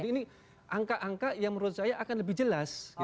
jadi ini angka angka yang menurut saya akan lebih jelas gitu